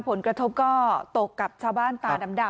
ผลกระทบก็ตกกับชาวบ้านตาดำ